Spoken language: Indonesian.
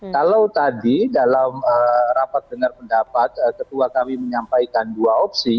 kalau tadi dalam rapat dengar pendapat ketua kami menyampaikan dua opsi